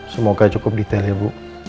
semoga cukup detail ya bu